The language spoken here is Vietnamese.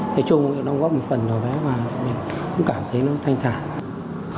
thế chung đóng góp một phần để cảm thấy nó thanh thản